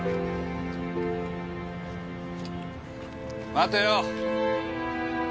待てよ！